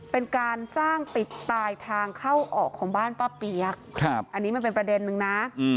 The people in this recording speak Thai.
เป็นการสร้างปิดตายทางเข้าออกของบ้านป้าเปี๊ยกอันนี้มันเป็นประเด็นนึงนะ